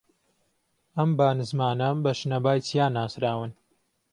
ئەم با نزمانە بە شنەبای چیا ناسراون